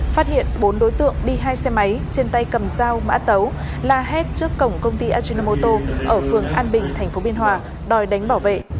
phát hiện bốn đối tượng đi hai xe máy trên tay cầm dao mã tấu la hét trước cổng công ty ajinomoto ở phường an bình tp biên hòa đòi đánh bảo vệ